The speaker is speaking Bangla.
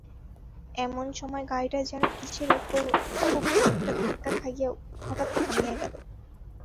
এমন সময় গাড়িটা যেন কিসের উপর খুব একটা ধাক্কা খাইয়া হঠাৎ থামিয়া গেল।